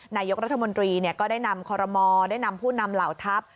นายกรัฐมนตรีก็ได้นำคอรมอลได้นำผู้นำเหล่าทัพ